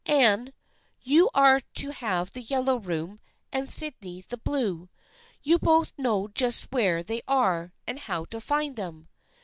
Anne, you are to have the yellow room and Syd ney the blue. You both know just where they are and how to find them."